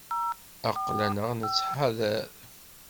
Aql-aneɣ nettḥadar.